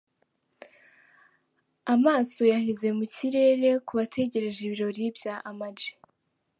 Amaso yaheze mu kirere ku bategereje ibirori bya Ama-G.